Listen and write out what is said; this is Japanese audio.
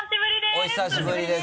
お久しぶりです。